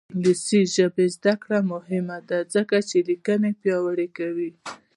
د انګلیسي ژبې زده کړه مهمه ده ځکه چې لیکنه پیاوړې کوي.